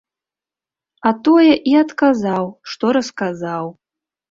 А тое і адказаў, што расказаў.